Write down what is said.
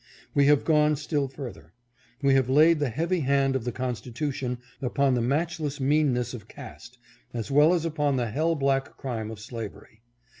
We have gone still further. We have laid the heavy hand of the constitution upon the matchless meanness of caste, as well as upon the hell black crime of slavery.